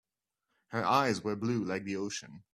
Her eyes were blue like the ocean.